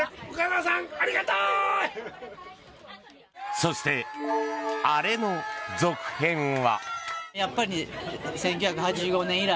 そして、アレの続編は。